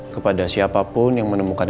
kepada siapapun yang menemukan